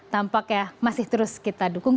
tampaknya masih terus kita dukung